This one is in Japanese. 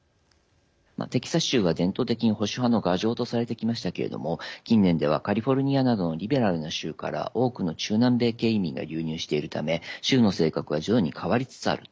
テキサス州は伝統的に保守派の牙城とされてきましたけれども近年ではカリフォルニアなどのリベラルな州から多くの中南米系移民が流入しているため州の性格は徐々に変わりつつある。